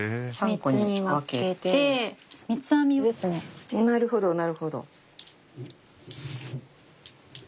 ３つに分けてなるほどなるほど。